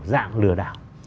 dạng lừa đảo